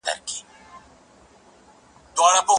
ځینو پوهانو د سیاست علمي والی رد کړی دی.